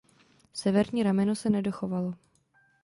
Severní rameno se nedochovalo.